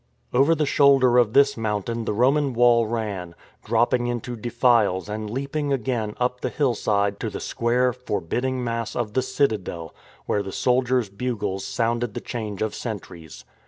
Over the shoulder of this mountain the Roman wall ran, dropping into defiles and leaping again up the hillside to the square, forbidding mass of the citadel, where the; soldiers' bugles sounded the change of sentries.